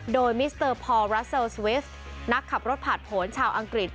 โดยมิสเตอร์พอลรัสเซลสวิสนักขับรถผ่านผลชาวอังกฤษ